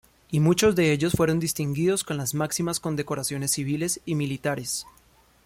Y muchos de ellos fueron distinguidos con las máximas condecoraciones civiles y militares.